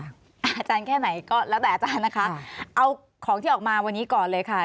อาจารย์แค่ไหนก็แล้วแต่อาจารย์นะคะเอาของที่ออกมาวันนี้ก่อนเลยค่ะ